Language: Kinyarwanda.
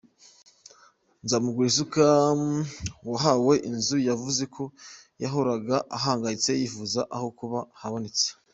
Nzamugurisuka wahawe inzu yavuze ko yahoraga ahangayitse yifuza aho kuba haboneye.